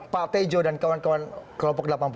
pak tejo dan kawan kawan kelompok delapan puluh